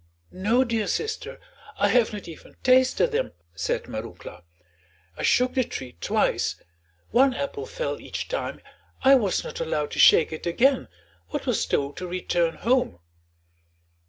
"No, dear sister, I have not even tasted them," said Marouckla. "I shook the tree twice; one apple fell each time. I was not allowed to shake it again, but was told to return home."